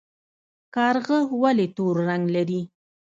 کارغه ولې تور رنګ لري؟